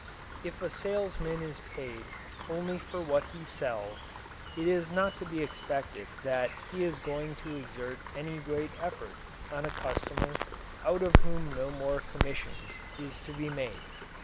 If a salesman is paid only for what he sells, it is not to be expected that he is going to exert any great effort on a customer out of whom no more commission is to be made.